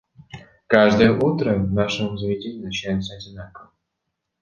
Каждое утро в нашем заведении начинается одинаково.